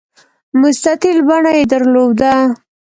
مستطیل بڼه یې درلوده.